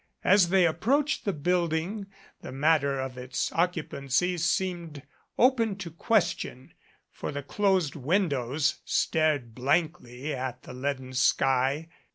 As they approached the building the matter of its occupancy seemed open to ques tion, for the closed windows stared blankly at the leaden sky.